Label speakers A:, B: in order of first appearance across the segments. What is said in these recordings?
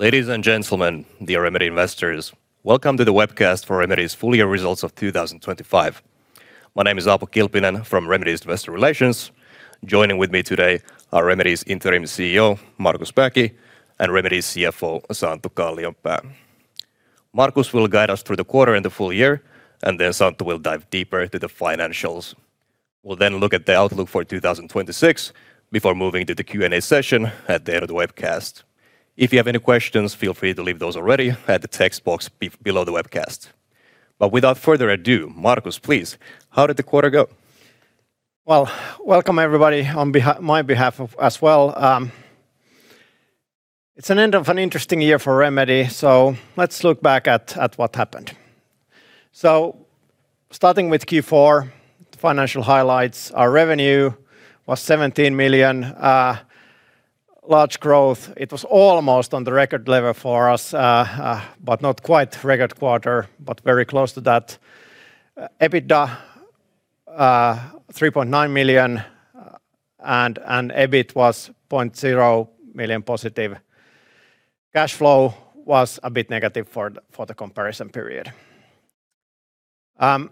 A: Ladies and gentlemen, dear Remedy investors, welcome to the webcast for Remedy's full year results of 2025. My name is Aapo Kilpinen from Remedy's Investor Relations. Joining with me today are Remedy's Interim CEO Markus Mäki and Remedy's CFO Santtu Kallionpää. Markus will guide us through the quarter and the full year, and then Santtu will dive deeper into the financials. We'll then look at the outlook for 2026 before moving to the Q&A session at the end of the webcast. If you have any questions, feel free to leave those already at the text box below the webcast. Without further ado, Markus, please, how did the quarter go?
B: Well, welcome everybody on my behalf as well. It's an end of an interesting year for Remedy, so let's look back at what happened. Starting with Q4, financial highlights: our revenue was 17 million, large growth, it was almost on the record level for us, but not quite record quarter, but very close to that. EBITDA was 3.9 million and EBIT was 0.0 million positive. Cash flow was a bit negative for the comparison period. Kind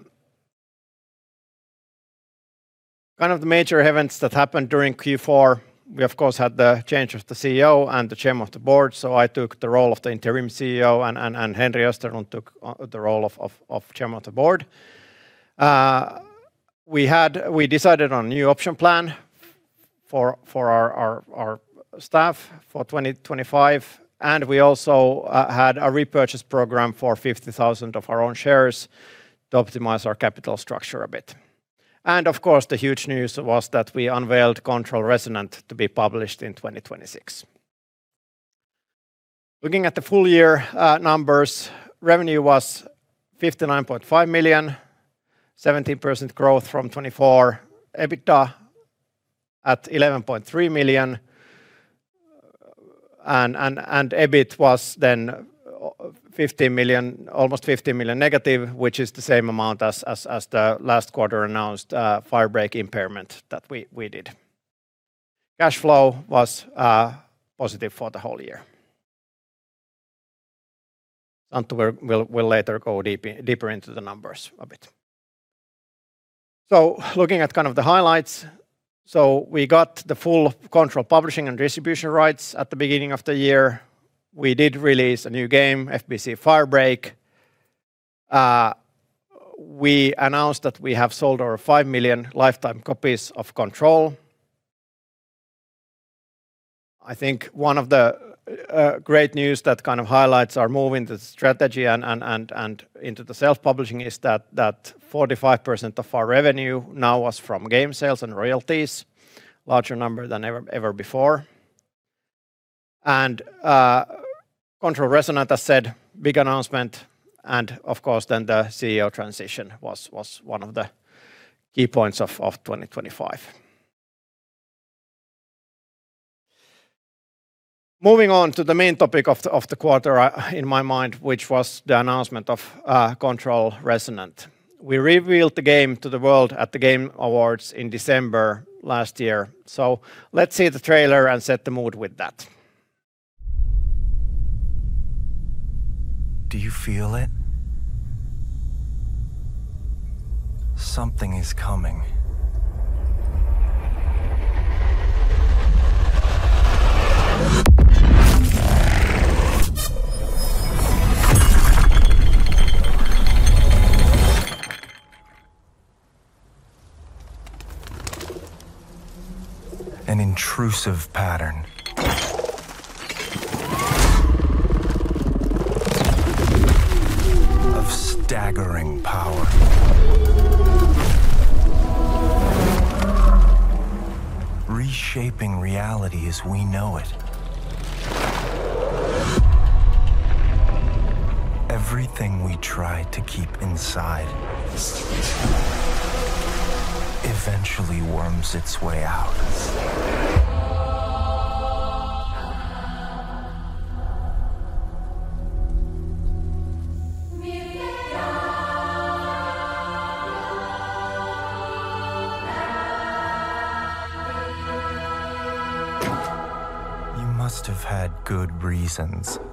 B: of the major events that happened during Q4: we, of course, had the change of the CEO and the chairman of the board, so I took the role of the interim CEO and Henri Österlund took the role of chairman of the board. We decided on a new option plan for our staff for 2025, and we also had a repurchase program for 50,000 of our own shares to optimize our capital structure a bit. Of course, the huge news was that we unveiled Control Resonant to be published in 2026. Looking at the full year numbers: revenue was 59.5 million, 17% growth from 2024, EBITDA at 11.3 million, and EBIT was then almost -15 million, which is the same amount as the last quarter announced Firebreak impairment that we did. Cash flow was positive for the whole year. Santtu will later go deeper into the numbers a bit. Looking at kind of the highlights: we got the full Control publishing and distribution rights at the beginning of the year. We did release a new game, FBC: Firebreak. We announced that we have sold over 5 million lifetime copies of Control. I think one of the great news that kind of highlights our move into the strategy and into the self-publishing is that 45% of our revenue now was from game sales and royalties, a larger number than ever before. Control Resonant, as said, big announcement, and of course then the CEO transition was one of the key points of 2025. Moving on to the main topic of the quarter in my mind, which was the announcement of Control Resonant. We revealed the game to the world at the Game Awards in December last year, so let's see the trailer and set the mood with that.
C: Do you feel it? Something is coming. An intrusive pattern of staggering power reshaping reality as we know it. Everything we try to keep inside eventually worms its way out. You must have had good reasons, but we were not prepared for what would follow. Pace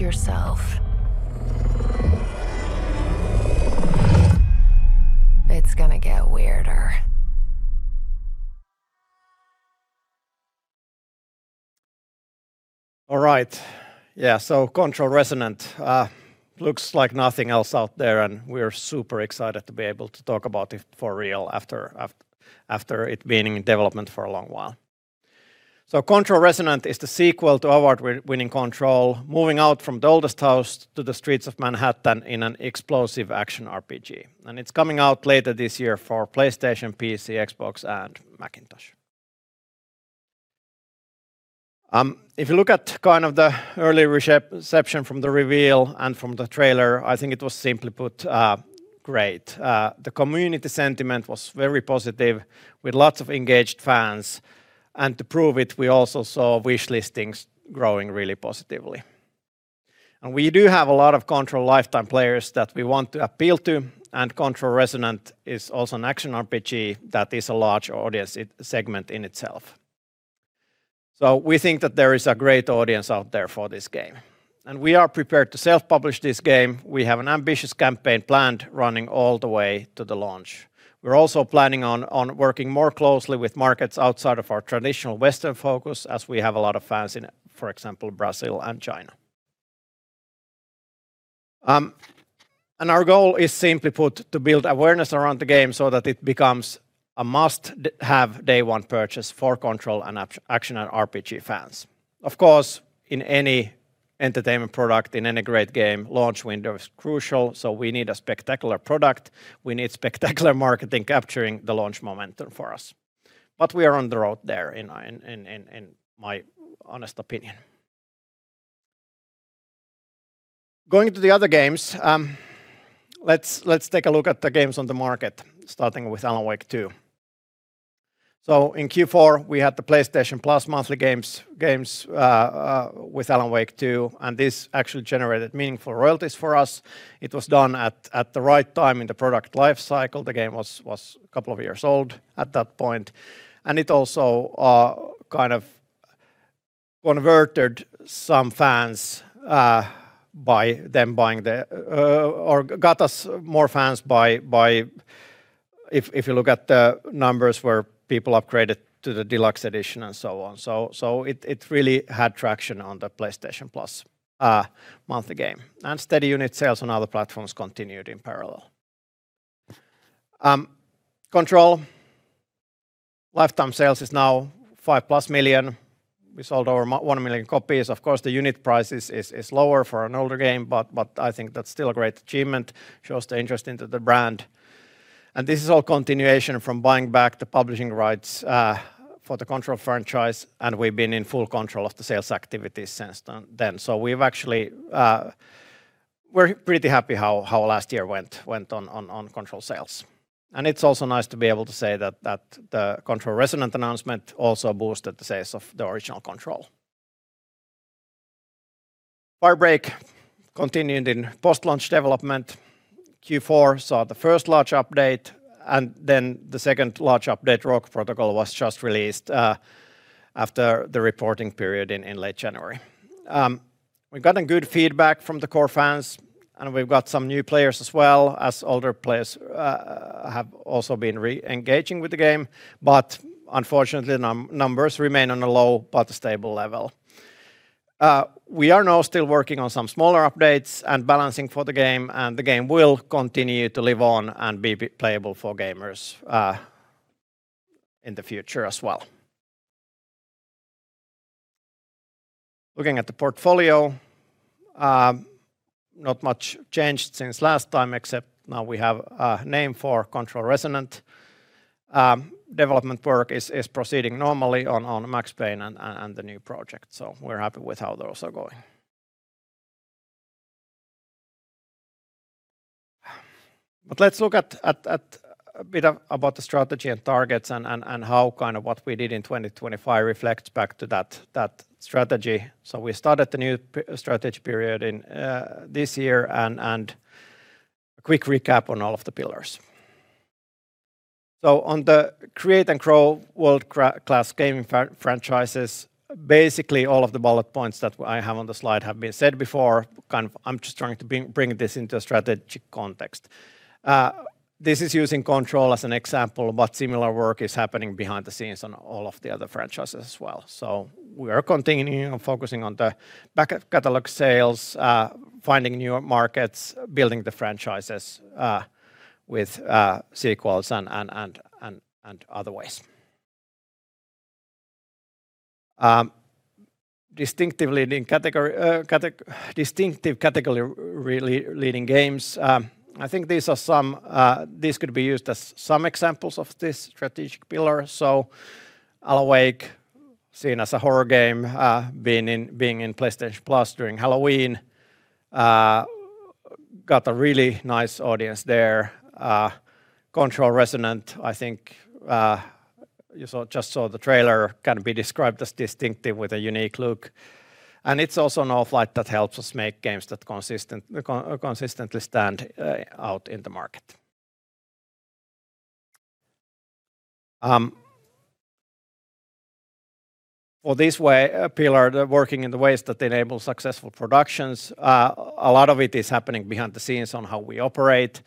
C: yourself. It's going to get weirder.
B: All right, yeah, so Control Resonant looks like nothing else out there, and we're super excited to be able to talk about it for real after it being in development for a long while. So Control Resonant is the sequel to award-winning Control, moving out from the Oldest House to the streets of Manhattan in an explosive action RPG, and it's coming out later this year for PlayStation, PC, Xbox, and Macintosh. If you look at kind of the early reception from the reveal and from the trailer, I think it was simply put great. The community sentiment was very positive with lots of engaged fans, and to prove it, we also saw wishlistings growing really positively. We do have a lot of Control lifetime players that we want to appeal to, and Control Resonant is also an action RPG that is a large audience segment in itself. We think that there is a great audience out there for this game, and we are prepared to self-publish this game. We have an ambitious campaign planned running all the way to the launch. We're also planning on working more closely with markets outside of our traditional Western focus as we have a lot of fans in, for example, Brazil and China. Our goal is simply put to build awareness around the game so that it becomes a must-have day-one purchase for Control and action and RPG fans. Of course, in any entertainment product, in any great game, launch window is crucial, so we need a spectacular product. We need spectacular marketing capturing the launch momentum for us. We are on the road there, in my honest opinion. Going to the other games, let's take a look at the games on the market, starting with Alan Wake 2. So in Q4, we had the PlayStation Plus Monthly Games with Alan Wake 2, and this actually generated meaningful royalties for us. It was done at the right time in the product lifecycle. The game was a couple of years old at that point, and it also kind of converted some fans by them buying the or got us more fans by if you look at the numbers where people upgraded to the Deluxe Edition and so on. So it really had traction on the PlayStation Plus monthly game, and steady unit sales on other platforms continued in parallel. Control lifetime sales is now 5+ million. We sold over 1 million copies. Of course, the unit price is lower for an older game, but I think that's still a great achievement, shows the interest into the brand. This is all continuation from buying back the publishing rights for the Control franchise, and we've been in full control of the sales activities since then. So we've actually, we're pretty happy how last year went on Control sales, and it's also nice to be able to say that the Control Resonant announcement also boosted the sales of the original Control. Firebreak continued in post-launch development. Q4 saw the first large update, and then the second large update, Rogue Protocol, was just released after the reporting period in late January. We got good feedback from the core fans, and we've got some new players as well, as older players have also been re-engaging with the game, but unfortunately, numbers remain on a low but stable level. We are now still working on some smaller updates and balancing for the game, and the game will continue to live on and be playable for gamers in the future as well. Looking at the portfolio, not much changed since last time, except now we have a name for Control Resonant. Development work is proceeding normally on Max Payne and the new project, so we're happy with how those are going. But let's look at a bit about the strategy and targets and how kind of what we did in 2025 reflects back to that strategy. So we started the new strategy period this year and a quick recap on all of the pillars. So, on the create and grow world-class gaming franchises, basically all of the bullet points that I have on the slide have been said before. Kind of, I'm just trying to bring this into a strategic context. This is using Control as an example, but similar work is happening behind the scenes on all of the other franchises as well. So we are continuing on focusing on the back catalog sales, finding new markets, building the franchises with sequels and other ways. Distinctive, category-leading games, I think these are some these could be used as some examples of this strategic pillar. So Alan Wake, seen as a horror game, being in PlayStation Plus during Halloween, got a really nice audience there. Control Resonant, I think you just saw the trailer, can be described as distinctive with a unique look, and it's also Northlight that helps us make games that consistently stand out in the market. For this way pillar, working in the ways that enable successful productions, a lot of it is happening behind the scenes on how we operate,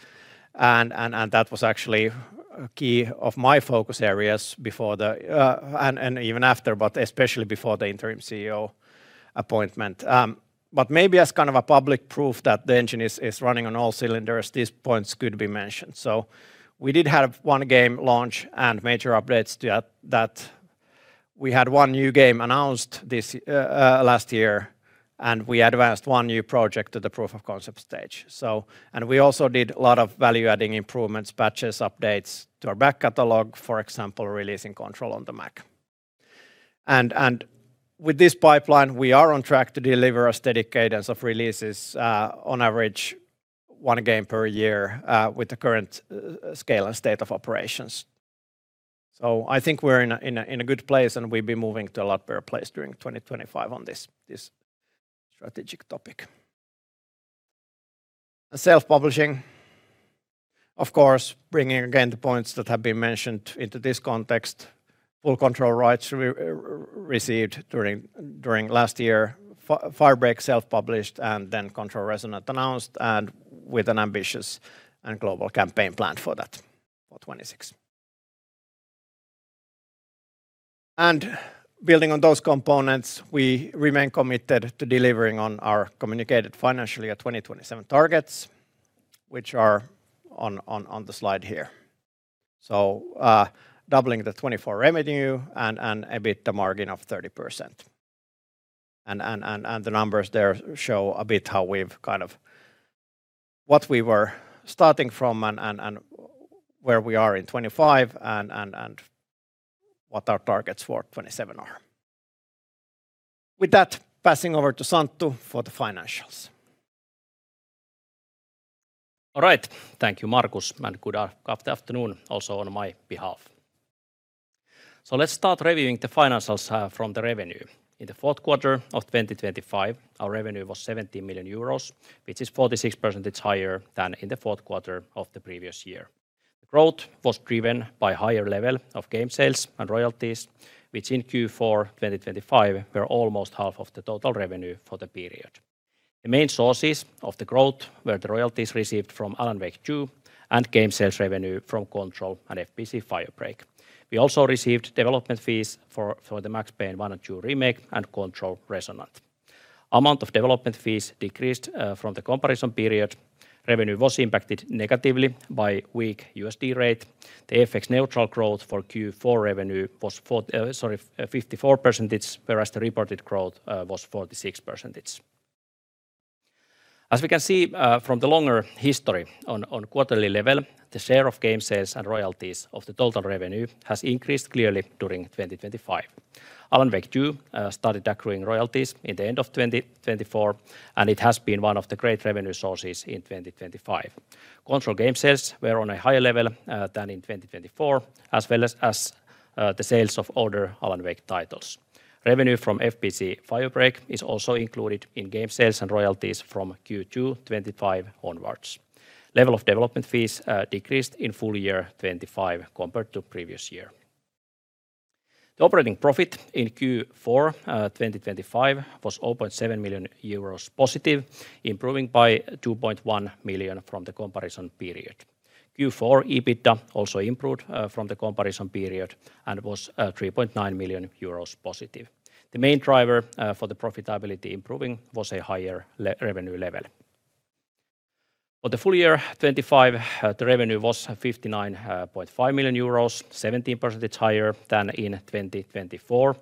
B: and that was actually a key of my focus areas before that and even after, but especially before the interim CEO appointment. Maybe as kind of a public proof that the engine is running on all cylinders, these points could be mentioned. We did have one game launch and major updates to that. We had one new game announced last year, and we advanced one new project to the proof of concept stage. So, and we also did a lot of value-adding improvements, patches, updates to our back catalog, for example, releasing Control on the Mac. And with this pipeline, we are on track to deliver a steady cadence of releases, on average one game per year with the current scale and state of operations. So I think we're in a good place, and we'll be moving to a lot better place during 2025 on this strategic topic. Self-publishing, of course, bringing again the points that have been mentioned into this context. Full Control rights received during last year. Firebreak self-published, and then Control Resonant announced, and with an ambitious and global campaign planned for that for 2026. And building on those components, we remain committed to delivering on our communicated financial 2027 targets, which are on the slide here. So doubling the 2024 revenue and a bit the margin of 30%. The numbers there show a bit how we've kind of what we were starting from and where we are in 2025 and what our targets for 2027 are. With that, passing over to Santtu for the financials.
D: All right, thank you, Markus, and good afternoon also on my behalf. So let's start reviewing the financials from the revenue. In the fourth quarter of 2025, our revenue was 17 million euros, which is 46% higher than in the fourth quarter of the previous year. The growth was driven by a higher level of game sales and royalties, which in Q4 2025 were almost half of the total revenue for the period. The main sources of the growth were the royalties received from Alan Wake 2 and game sales revenue from Control and FBC: Firebreak. We also received development fees for the Max Payne 1&2 Remake and Control Resonant. Amount of development fees decreased from the comparison period. Revenue was impacted negatively by weak USD rate. The FX neutral growth for Q4 revenue was 54%, whereas the reported growth was 46%. As we can see from the longer history on quarterly level, the share of game sales and royalties of the total revenue has increased clearly during 2025. Alan Wake 2 started accruing royalties in the end of 2024, and it has been one of the great revenue sources in 2025. Control game sales were on a higher level than in 2024, as well as the sales of older Alan Wake titles. Revenue from FBC: Firebreak is also included in game sales and royalties from Q2 2025 onwards. Level of development fees decreased in full year 2025 compared to previous year. The operating profit in Q4 2025 was 0.7 million euros positive, improving by 2.1 million from the comparison period. Q4 EBITDA also improved from the comparison period and was 3.9 million euros positive. The main driver for the profitability improving was a higher revenue level. For the full year 2025, the revenue was 59.5 million euros, 17% higher than in 2024.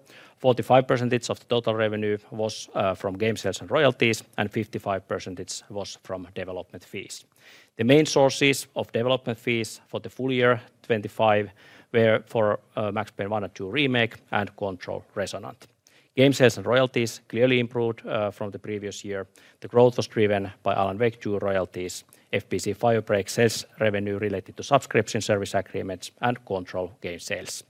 D: 45% of the total revenue was from game sales and royalties, and 55% was from development fees. The main sources of development fees for the full year 2025 were for Max Payne 1 & 2 Remake and Control Resonant. Game sales and royalties clearly improved from the previous year. The growth was driven by Alan Wake 2 royalties, FBC: Firebreak sales revenue related to subscription service agreements, and Control game sales.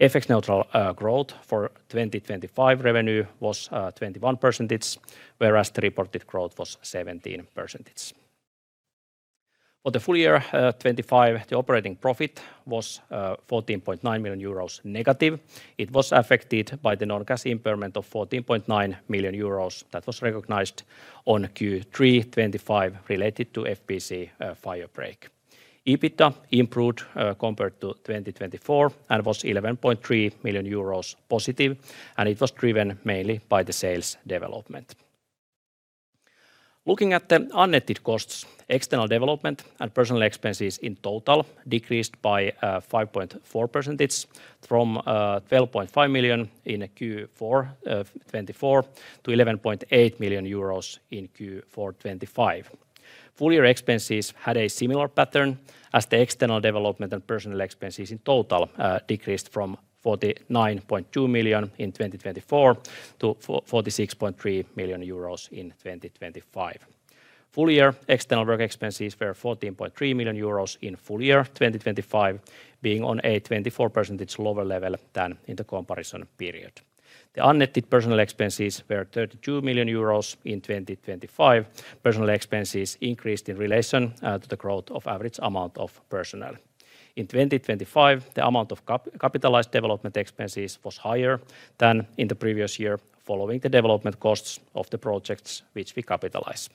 D: FX neutral growth for 2025 revenue was 21%, whereas the reported growth was 17%. For the full year 2025, the operating profit was 14.9 million euros negative. It was affected by the non-cash impairment of 14.9 million euros that was recognized on Q3 2025 related to FBC: Firebreak. EBITDA improved compared to 2024 and was 11.3 million euros positive, and it was driven mainly by the sales development. Looking at the unnetted costs, external development and personnel expenses in total decreased by 5.4% from 12.5 million in Q4 2024 to 11.8 million euros in Q4 2025. Full year expenses had a similar pattern as the external development and personnel expenses in total decreased from 49.2 million in 2024 to 46.3 million euros in 2025. Full year external work expenses were 14.3 million euros in full year 2025, being on a 24% lower level than in the comparison period. The unnetted personnel expenses were 32 million euros in 2025. Personnel expenses increased in relation to the growth of average amount of personnel. In 2025, the amount of capitalized development expenses was higher than in the previous year following the development costs of the projects which we capitalized.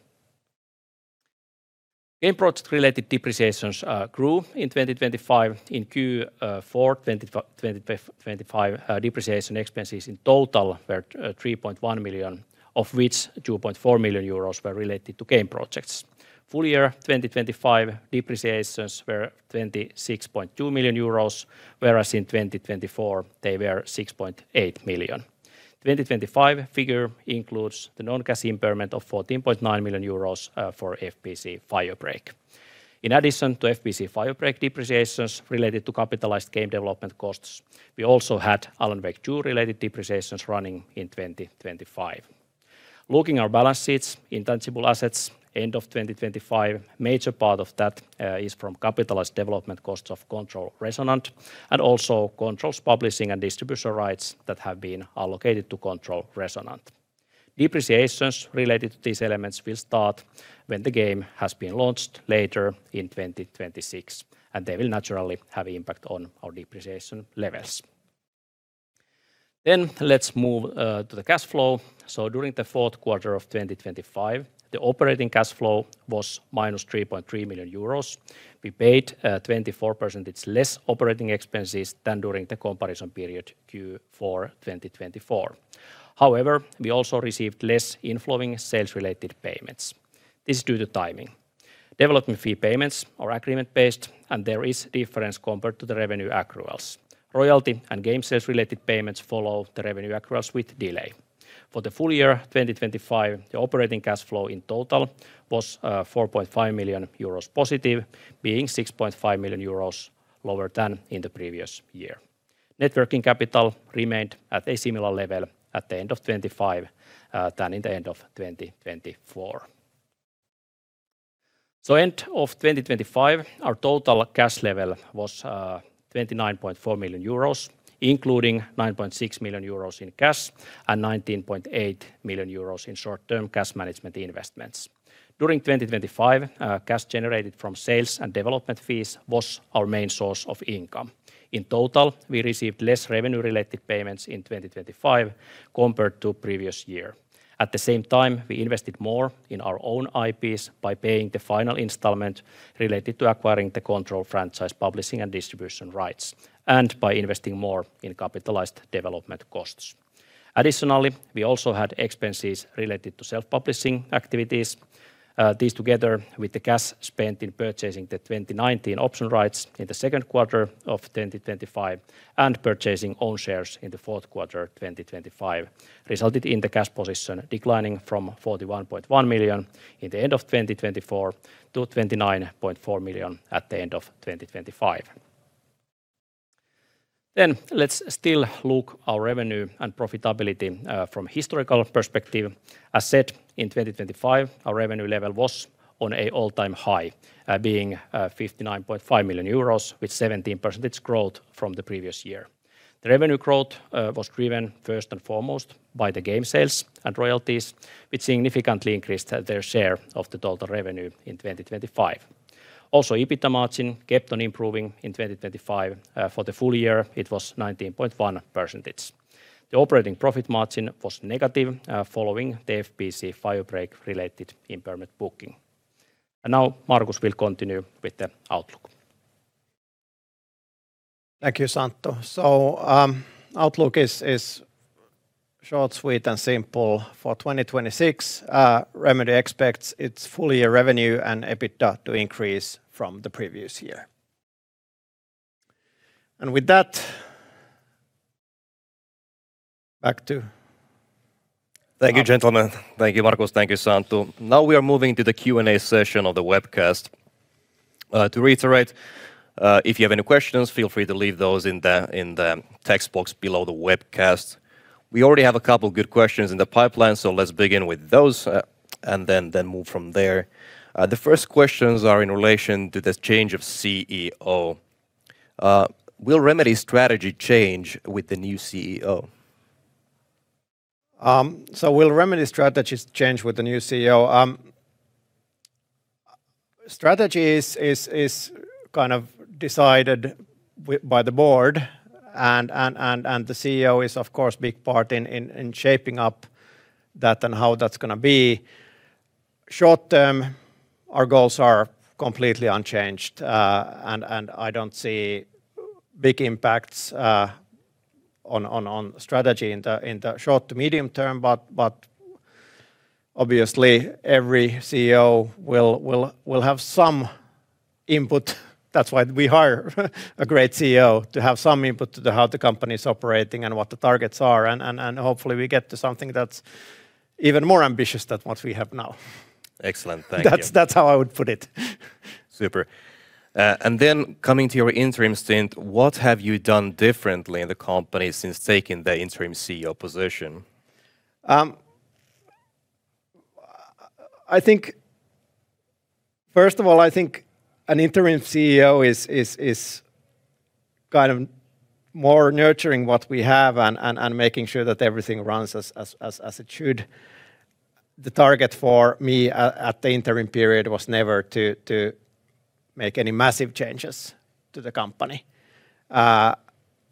D: Game project-related depreciations grew in 2025. In Q4 2025, depreciation expenses in total were 3.1 million, of which 2.4 million euros were related to game projects. Full year 2025 depreciations were 26.2 million euros, whereas in 2024 they were 6.8 million. The 2025 figure includes the non-cash impairment of 14.9 million euros for FBC: Firebreak. In addition to FBC: Firebreak depreciations related to capitalized game development costs, we also had Alan Wake 2 related depreciations running in 2025. Looking at our balance sheets, intangible assets end of 2025, a major part of that is from capitalized development costs of Control Resonant and also Control's publishing and distribution rights that have been allocated to Control Resonant. Depreciations related to these elements will start when the game has been launched later in 2026, and they will naturally have an impact on our depreciation levels. Then let's move to the cash flow. So during the fourth quarter of 2025, the operating cash flow was minus 3.3 million euros. We paid 24% less operating expenses than during the comparison period Q4 2024. However, we also received less inflowing sales-related payments. This is due to timing. Development fee payments are agreement-based, and there is a difference compared to the revenue accruals. Royalty and game sales-related payments follow the revenue accruals with delay. For the full year 2025, the operating cash flow in total was 4.5 million euros positive, being 6.5 million euros lower than in the previous year. Net working capital remained at a similar level at the end of 2025 than in the end of 2024. So end of 2025, our total cash level was 29.4 million euros, including 9.6 million euros in cash and 19.8 million euros in short-term cash management investments. During 2025, cash generated from sales and development fees was our main source of income. In total, we received less revenue-related payments in 2025 compared to the previous year. At the same time, we invested more in our own IPs by paying the final installment related to acquiring the Control franchise publishing and distribution rights and by investing more in capitalized development costs. Additionally, we also had expenses related to self-publishing activities. These, together with the cash spent in purchasing the 2019 option rights in the second quarter of 2025 and purchasing own shares in the fourth quarter 2025, resulted in the cash position declining from 41.1 million at the end of 2024 to 29.4 million at the end of 2025. Then let's still look at our revenue and profitability from a historical perspective. As said, in 2025, our revenue level was on an all-time high, being 59.5 million euros, with 17% growth from the previous year. The revenue growth was driven first and foremost by the game sales and royalties, which significantly increased their share of the total revenue in 2025. Also, EBITDA margin kept on improving in 2025. For the full year, it was 19.1%. The operating profit margin was negative following the FBC: Firebreak-related impairment booking. Now Markus will continue with the Outlook.
B: Thank you, Santtu. Outlook is short, sweet, and simple. For 2026, Remedy expects its full year revenue and EBITDA to increase from the previous year. With that, back to.
A: Thank you, gentlemen. Thank you, Markus. Thank you, Santtu. Now we are moving to the Q&A session of the webcast. To reiterate, if you have any questions, feel free to leave those in the text box below the webcast. We already have a couple of good questions in the pipeline, so let's begin with those and then move from there. The first questions are in relation to the change of CEO. Will Remedy's strategy change with the new CEO?
B: So will Remedy's strategy change with the new CEO? Strategy is kind of decided by the board, and the CEO is, of course, a big part in shaping up that and how that's going to be. Short term, our goals are completely unchanged, and I don't see big impacts on strategy in the short to medium term. But obviously, every CEO will have some input. That's why we hire a great CEO, to have some input to how the company is operating and what the targets are. And hopefully, we get to something that's even more ambitious than what we have now.
A: Excellent. Thank you.
B: That's how I would put it.
A: Super. And then coming to your interim stint, what have you done differently in the company since taking the interim CEO position?
B: I think, first of all, I think an interim CEO is kind of more nurturing what we have and making sure that everything runs as it should. The target for me at the interim period was never to make any massive changes to the company.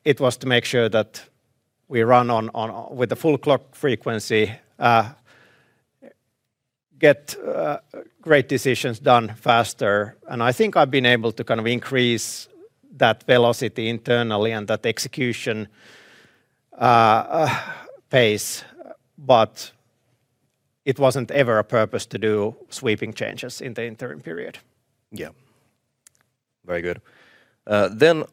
B: It was to make sure that we run with the full clock frequency, get great decisions done faster. And I think I've been able to kind of increase that velocity internally and that execution pace. But it wasn't ever a purpose to do sweeping changes in the interim period.
A: Yeah, very good. Then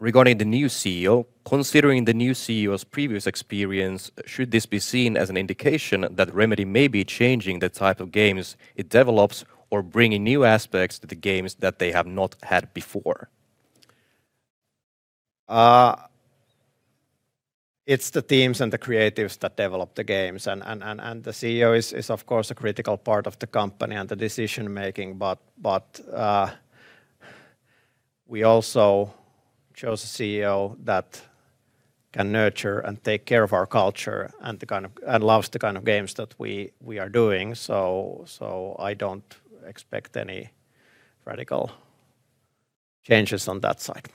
A: regarding the new CEO, considering the new CEO's previous experience, should this be seen as an indication that Remedy may be changing the type of games it develops or bringing new aspects to the games that they have not had before?
B: It's the teams and the creatives that develop the games. And the CEO is, of course, a critical part of the company and the decision-making. But we also chose a CEO that can nurture and take care of our culture and loves the kind of games that we are doing. So I don't expect any radical changes on that side.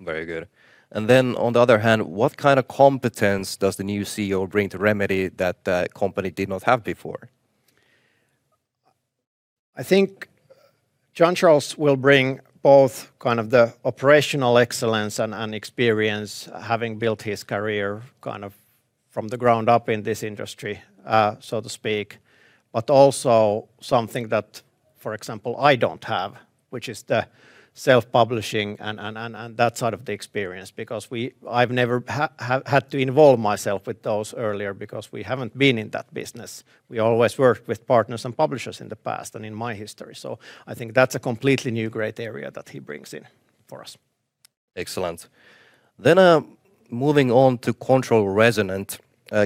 A: Very good. And then on the other hand, what kind of competence does the new CEO bring to Remedy that the company did not have before?
B: I think John Charles will bring both kind of the operational excellence and experience, having built his career kind of from the ground up in this industry, so to speak, but also something that, for example, I don't have, which is the self-publishing and that side of the experience. Because I've never had to involve myself with those earlier because we haven't been in that business. We always worked with partners and publishers in the past and in my history. So I think that's a completely new great area that he brings in for us.
A: Excellent. Then moving on to Control Resonant,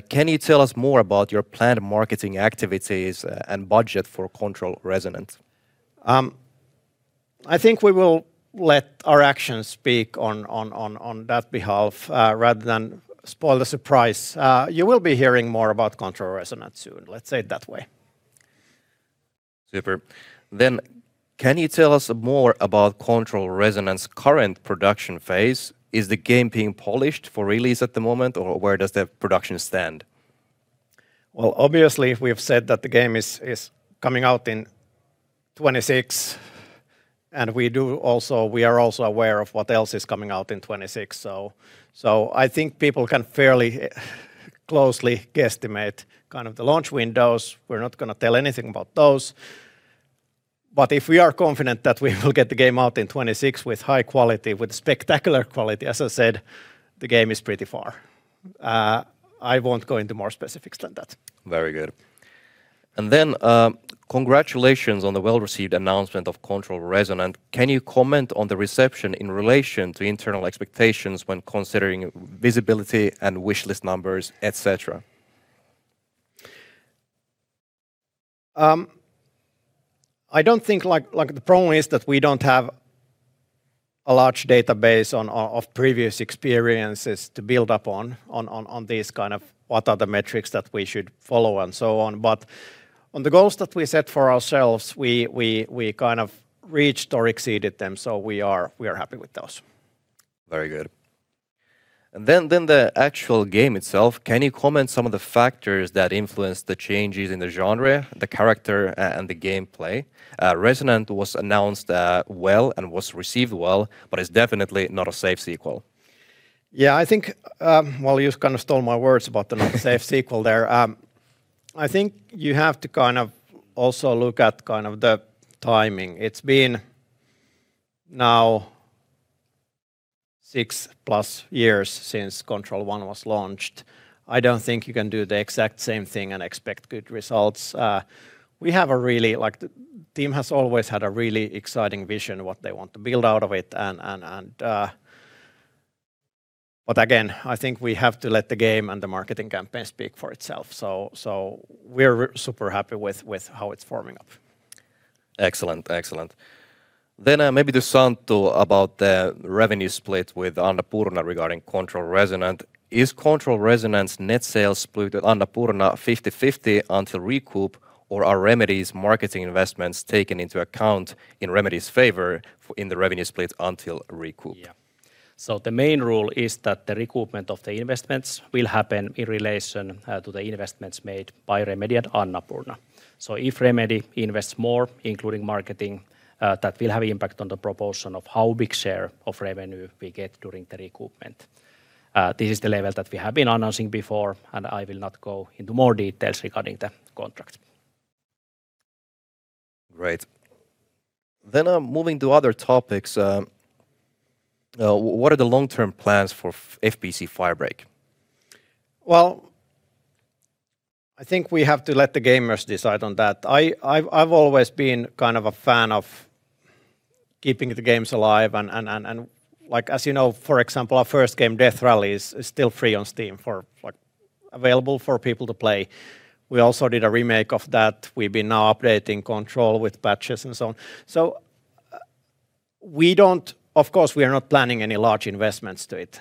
A: can you tell us more about your planned marketing activities and budget for Control Resonant?
B: I think we will let our actions speak on that behalf rather than spoil the surprise. You will be hearing more about Control Resonant soon. Let's say it that way.
A: Super. Then can you tell us more about Control Resonant's current production phase? Is the game being polished for release at the moment, or where does the production stand?
B: Well, obviously, we've said that the game is coming out in 2026, and we are also aware of what else is coming out in 2026. So I think people can fairly closely guesstimate kind of the launch windows. We're not going to tell anything about those. But if we are confident that we will get the game out in 2026 with high quality, with spectacular quality, as I said, the game is pretty far. I won't go into more specifics than that.
A: Very good. And then congratulations on the well-received announcement of Control Resonant. Can you comment on the reception in relation to internal expectations when considering visibility and wishlist numbers, etc.?
B: I don't think the problem is that we don't have a large database of previous experiences to build upon these kind of what are the metrics that we should follow and so on. But on the goals that we set for ourselves, we kind of reached or exceeded them, so we are happy with those.
A: Very good. And then the actual game itself, can you comment on some of the factors that influenced the changes in the genre, the character, and the gameplay? Resonant was announced well and was received well, but it's definitely not a safe sequel.
B: Yeah, I think while you kind of stole my words about the not safe sequel there, I think you have to kind of also look at kind of the timing. It's been now 6+ years since Control 1 was launched. I don't think you can do the exact same thing and expect good results. We have a really, the team has always had a really exciting vision of what they want to build out of it. But again, I think we have to let the game and the marketing campaign speak for itself. So we're super happy with how it's forming up.
A: Excellent, excellent. Then maybe to Santtu about the revenue split with Annapurna regarding Control Resonant. Is Control Resonant's net sales split with Annapurna 50/50 until recoup, or are Remedy's marketing investments taken into account in Remedy's favor in the revenue split until recoup?
D: Yeah. So the main rule is that the recoupment of the investments will happen in relation to the investments made by Remedy and Annapurna. So if Remedy invests more, including marketing, that will have an impact on the proportion of how big a share of revenue we get during the recoupment. This is the level that we have been announcing before, and I will not go into more details regarding the contract.
A: Great. Then moving to other topics, what are the long-term plans for FBC: Firebreak?
B: Well, I think we have to let the gamers decide on that. I've always been kind of a fan of keeping the games alive. And as you know, for example, our first game, Death Rally, is still free on Steam, available for people to play. We also did a remake of that. We've been now updating Control with patches and so on. So we don't, of course, we are not planning any large investments to it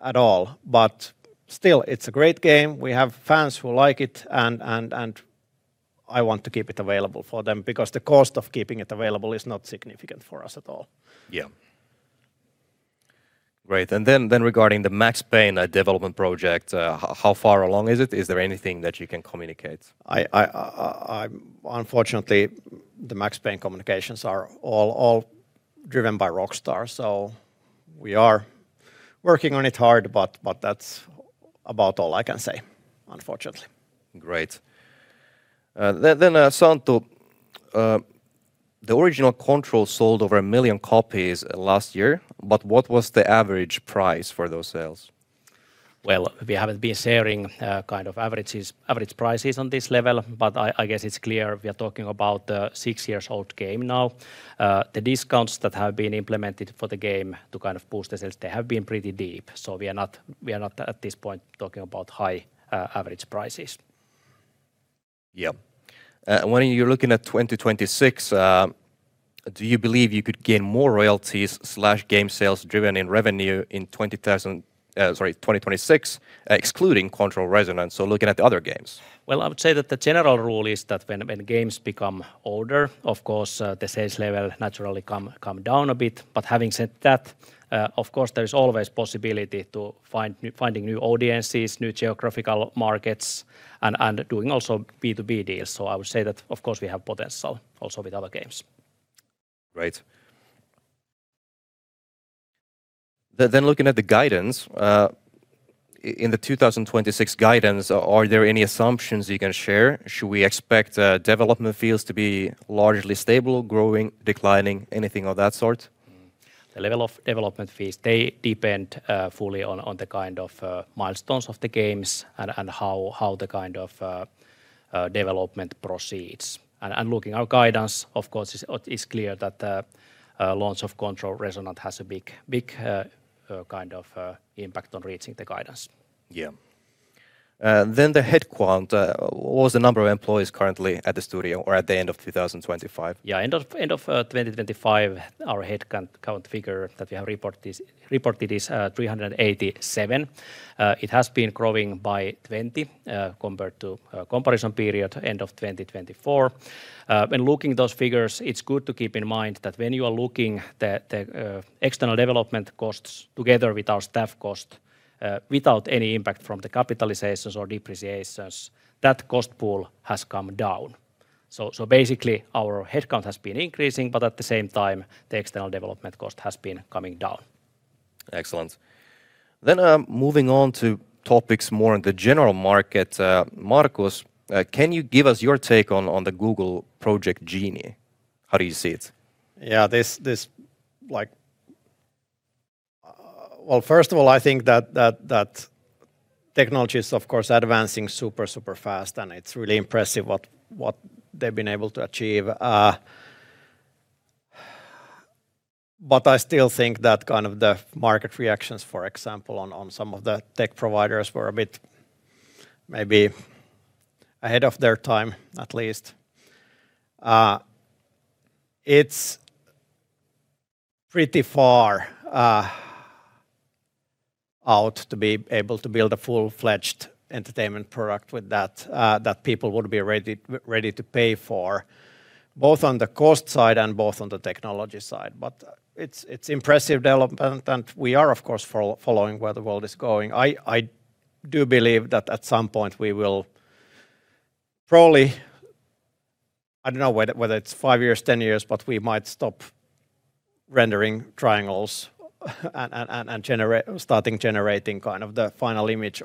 B: at all. But still, it's a great game. We have fans who like it, and I want to keep it available for them because the cost of keeping it available is not significant for us at all.
A: Yeah. Great. And then regarding the Max Payne development project, how far along is it? Is there anything that you can communicate?
B: Unfortunately, the Max Payne communications are all driven by Rockstar. So we are working on it hard, but that's about all I can say, unfortunately.
A: Great. Then Santtu, the original Control sold over a million copies last year, but what was the average price for those sales?
D: Well, we haven't been sharing kind of average prices on this level, but I guess it's clear we are talking about a six-year-old game now. The discounts that have been implemented for the game to kind of boost the sales, they have been pretty deep. So we are not at this point talking about high average prices.
A: Yeah. When you're looking at 2026, do you believe you could gain more royalties/game sales driven in revenue in 2026, excluding Control Resonant, so looking at the other games?
B: Well, I would say that the general rule is that when games become older, of course, the sales level naturally comes down a bit. But having said that, of course, there is always the possibility of finding new audiences, new geographical markets, and doing also B2B deals. So I would say that, of course, we have potential also with other games.
A: Great. Then looking at the guidance, in the 2026 guidance, are there any assumptions you can share? Should we expect development fees to be largely stable, growing, declining, anything of that sort?
D: The level of development fees, they depend fully on the kind of milestones of the games and how the kind of development proceeds. Looking at our guidance, of course, it's clear that the launch of Control Resonant has a big kind of impact on reaching the guidance.
A: Yeah. Then the headcount, what's the number of employees currently at the studio or at the end of 2025?
D: Yeah, end of 2025, our headcount figure that we have reported is 387. It has been growing by 20 compared to the comparison period end of 2024. When looking at those figures, it's good to keep in mind that when you are looking at the external development costs together with our staff costs, without any impact from the capitalizations or depreciations, that cost pool has come down. So basically, our headcount has been increasing, but at the same time, the external development cost has been coming down.
A: Excellent. Moving on to topics more in the general market, Markus, can you give us your take on the Google Project Genie? How do you see it?
B: Yeah, this, well, first of all, I think that technology is, of course, advancing super, super fast, and it's really impressive what they've been able to achieve. But I still think that kind of the market reactions, for example, on some of the tech providers were a bit maybe ahead of their time, at least. It's pretty far out to be able to build a full-fledged entertainment product with that that people would be ready to pay for, both on the cost side and both on the technology side. But it's impressive development, and we are, of course, following where the world is going. I do believe that at some point we will probably, I don't know whether it's 5 years, 10 years, but we might stop rendering triangles and start generating kind of the final image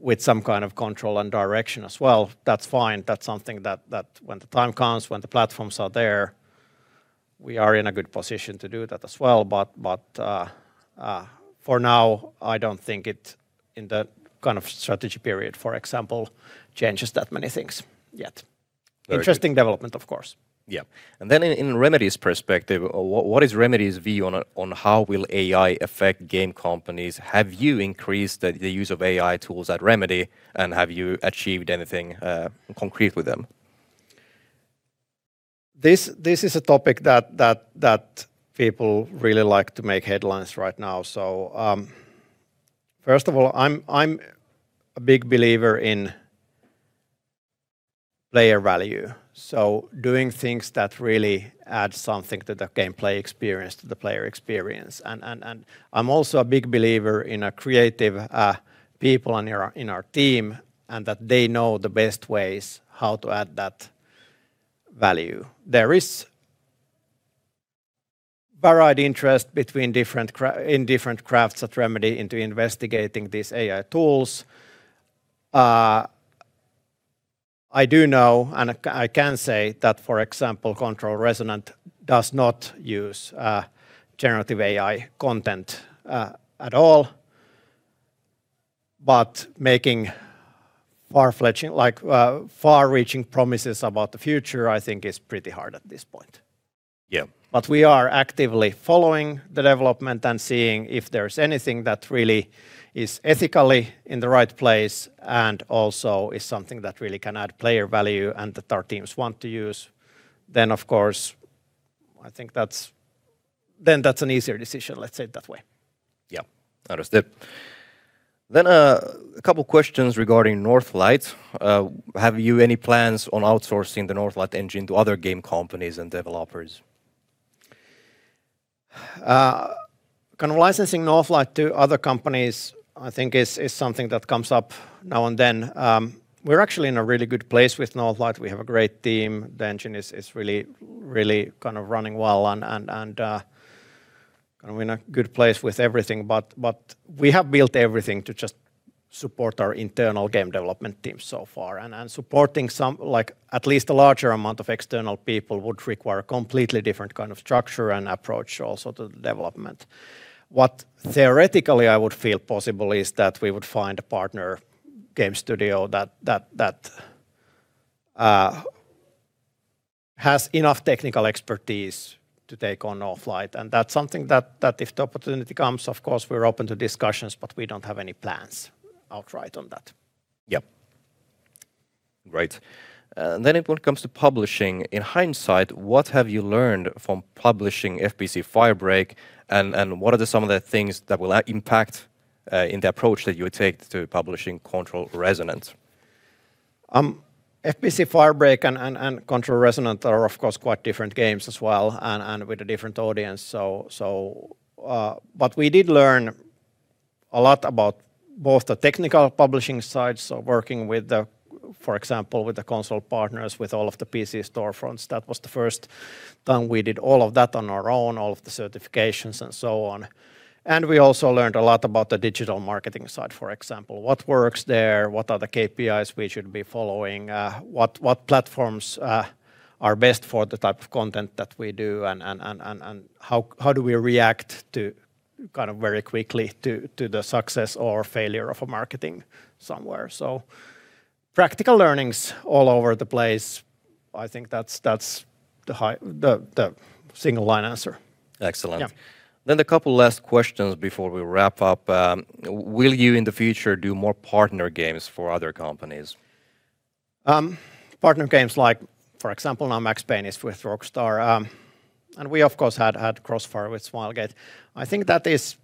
B: with some kind of control and direction as well. That's fine. That's something that when the time comes, when the platforms are there, we are in a good position to do that as well. But for now, I don't think it, in the kind of strategy period, for example, changes that many things yet. Interesting development, of course.
A: Yeah. And then in Remedy's perspective, what is Remedy's view on how will AI affect game companies? Have you increased the use of AI tools at Remedy, and have you achieved anything concrete with them?
B: This is a topic that people really like to make headlines right now. So first of all, I'm a big believer in player value, so doing things that really add something to the gameplay experience, to the player experience. And I'm also a big believer in our creative people in our team and that they know the best ways how to add that value. There is varied interest in different crafts at Remedy into investigating these AI tools. I do know and I can say that, for example, Control Resonant does not use generative AI content at all. But making far-reaching promises about the future, I think, is pretty hard at this point. But we are actively following the development and seeing if there's anything that really is ethically in the right place and also is something that really can add player value and that our teams want to use. Then, of course, I think that's an easier decision. Let's say it that way.
A: Yeah, understood. Then a couple of questions regarding Northlight. Have you any plans on outsourcing the Northlight engine to other game companies and developers?
B: Kind of licensing Northlight to other companies, I think, is something that comes up now and then. We're actually in a really good place with Northlight. We have a great team. The engine is really kind of running well and kind of in a good place with everything. But we have built everything to just support our internal game development team so far. And supporting at least a larger amount of external people would require a completely different kind of structure and approach also to the development. What theoretically I would feel possible is that we would find a partner game studio that has enough technical expertise to take on Northlight. And that's something that, if the opportunity comes, of course, we're open to discussions, but we don't have any plans outright on that.
A: Yeah. Great. And then when it comes to publishing, in hindsight, what have you learned from publishing FBC: Firebreak, and what are some of the things that will impact in the approach that you take to publishing Control Resonant?
B: FBC: Firebreak and Control Resonant are, of course, quite different games as well and with a different audience. But we did learn a lot about both the technical publishing side, so working with, for example, the console partners with all of the PC storefronts. That was the first time we did all of that on our own, all of the certifications and so on. And we also learned a lot about the digital marketing side, for example. What works there? What are the KPIs we should be following? What platforms are best for the type of content that we do? And how do we react kind of very quickly to the success or failure of a marketing somewhere? So practical learnings all over the place, I think that's the single line answer.
A: Excellent. A couple of last questions before we wrap up. Will you, in the future, do more partner games for other companies?
B: Partner games like, for example, now Max Payne is with Rockstar. And we, of course, had Crossfire with Smilegate. I think that is,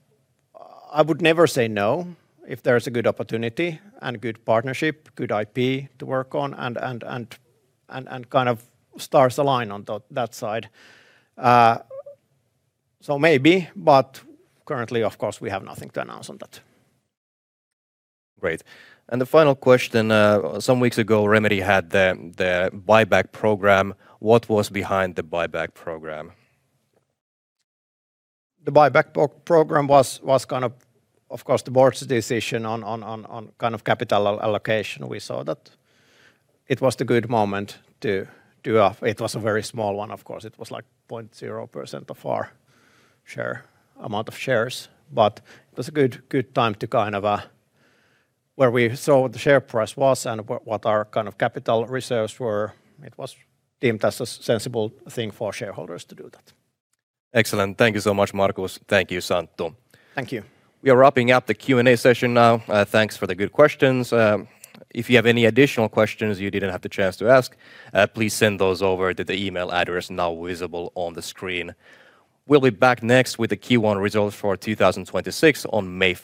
B: I would never say no if there's a good opportunity and good partnership, good IP to work on, and kind of stars align on that side. So maybe, but currently, of course, we have nothing to announce on that.
A: Great. The final question. Some weeks ago, Remedy had the buyback program. What was behind the buyback program?
B: The buyback program was kind of, of course, the board's decision on kind of capital allocation. We saw that it was a good moment to do it. It was a very small one, of course. It was like 0.0% of our share amount of shares. But it was a good time, kind of, where we saw what the share price was and what our kind of capital reserves were. It was deemed as a sensible thing for shareholders to do that.
A: Excellent. Thank you so much, Markus. Thank you, Santtu.
B: Thank you.
A: We are wrapping up the Q&A session now. Thanks for the good questions. If you have any additional questions you didn't have the chance to ask, please send those over to the email address now visible on the screen. We'll be back next with the Q1 results for 2026 on May.